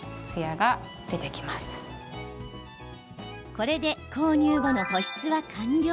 これで購入後の保湿は完了。